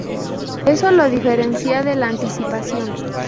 Eso lo diferencia de la anticipación.